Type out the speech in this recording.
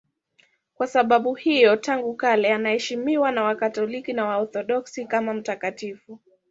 Kwa sababu hiyo tangu kale anaheshimiwa na Wakatoliki na Waorthodoksi kama mtakatifu.